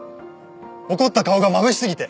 「怒った顔が眩しすぎて」